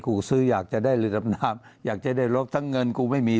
กูซื้ออยากจะได้เรือดำน้ำอยากจะได้ลบทั้งเงินกูไม่มี